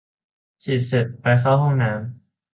ฉีดเสร็จ ไปเข้าห้องน้ำ